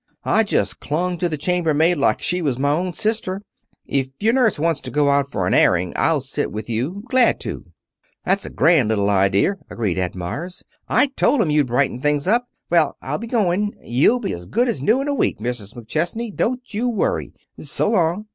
I just clung to the chamber maid like she was my own sister. If your nurse wants to go out for an airing I'll sit with you. Glad to." "That's a grand little idea," agreed Ed Meyers. "I told 'em you'd brighten things up. Well, I'll be going. You'll be as good as new in a week, Mrs. McChesney, don't you worry. So long."